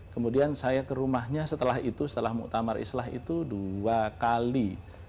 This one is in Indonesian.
kemudian saya ke rumahnya setelah itu setelah muktamar islah itu dua kali